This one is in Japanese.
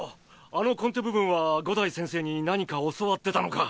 あのコンテ部分は五代先生に何か教わってたのか？